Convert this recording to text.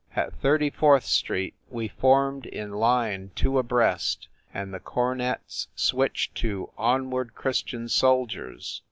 At Thirty fourth street we formed in line two abreast, and the cornets switched to "Onward, Christian Soldiers!"